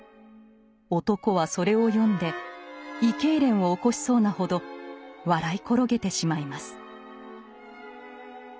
男はそれを読んで胃けいれんを起こしそうなほど笑い転げてしまいます。